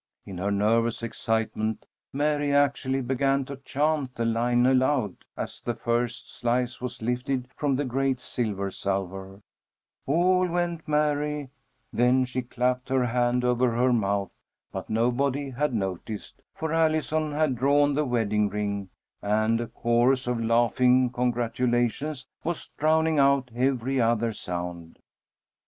In her nervous excitement, Mary actually began to chant the line aloud, as the first slice was lifted from the great silver salver: "All went merry " Then she clapped her hand over her mouth, but nobody had noticed, for Allison had drawn the wedding ring, and a chorus of laughing congratulations was drowning out every other sound.